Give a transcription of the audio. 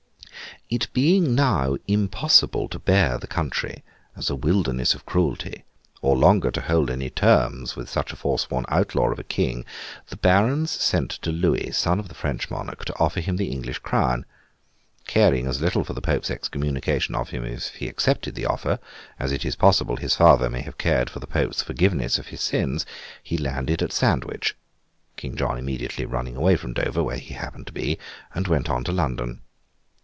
It being now impossible to bear the country, as a wilderness of cruelty, or longer to hold any terms with such a forsworn outlaw of a King, the Barons sent to Louis, son of the French monarch, to offer him the English crown. Caring as little for the Pope's excommunication of him if he accepted the offer, as it is possible his father may have cared for the Pope's forgiveness of his sins, he landed at Sandwich (King John immediately running away from Dover, where he happened to be), and went on to London.